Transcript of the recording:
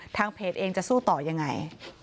ทางเพจเองจะสู้ต่อยังไง